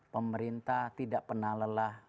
pemerintah tidak pernah lelah